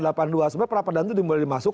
sebenarnya perapadan itu dimulai masuk